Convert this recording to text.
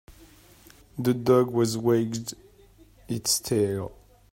The dog was wagged its tail.